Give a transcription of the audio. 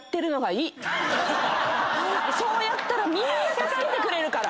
そうやったらみんな助けてくれるから。